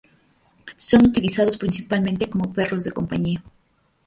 Son utilizados principalmente como perros de compañía.